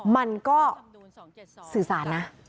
มันก็สื่อสารนะ